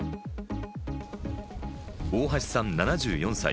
大橋さん、７４歳。